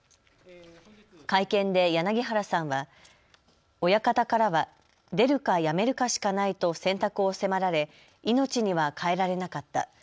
会見で柳原さんは親方からは出るか辞めるかしかないと選択を迫られ命には代えられなかった。